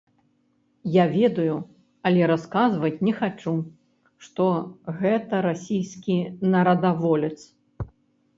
Я ведаю, але расказваць не хачу, што гэта расійскі нарадаволец.